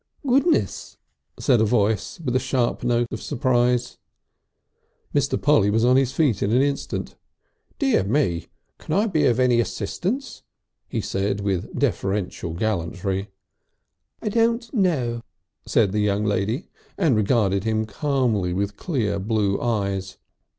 "Goodness!" said a voice with a sharp note of surprise. Mr. Polly was on his feet in an instant. "Dear me! Can I be of any assistance?" he said with deferential gallantry. "I don't know," said the young lady, and regarded him calmly with clear blue eyes.